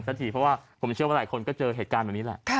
ทีเพราะว่าผมเชื่อว่าหลายคนก็เจอเหตุการณ์แบบนี้แหละ